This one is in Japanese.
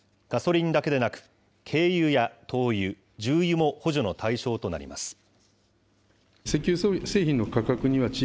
ガソリンだけでなく、軽油や灯油、重油も補助の対象となります。